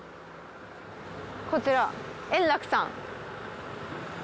こちら延楽さん。